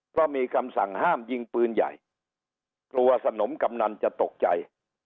เพราะมีคำสั่งห้ามยิงปืนใหญ่กลัวสนมกำนันจะตกใจ